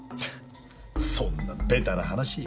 そんなベタな話。